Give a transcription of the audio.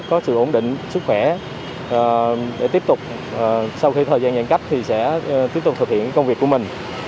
có sự ổn định sức khỏe để tiếp tục sau khi thời gian nhận cách thì sẽ tiếp tục thực hiện công việc của mình